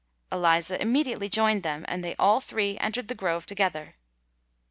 Eliza immediately joined them; and they all three entered the grove together.